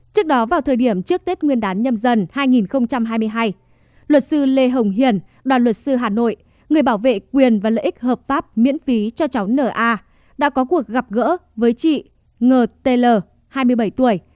trước đó vào thời điểm trước tết nguyên đán nhâm dân hai nghìn hai mươi hai luật sư lê hồng hiền đoàn luật sư hà nội người bảo vệ quyền và lợi ích hợp pháp miễn phí cho cháu n a đã có cuộc gặp gỡ với chị ng t l hai mươi bảy tuổi